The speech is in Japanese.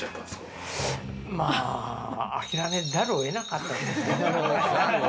まぁ諦めざるを得なかったですね。